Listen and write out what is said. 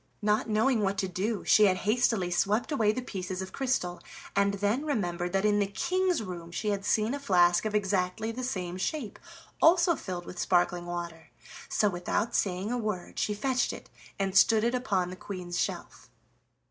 Not knowing what to do, she had hastily swept away the pieces of crystal, and then remembered that in the King's room she had seen a flask of exactly the same shape, also filled with sparkling water. So, without saying a word, she fetched it and stood it upon the Queen's shelf.